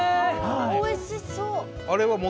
おいしそう！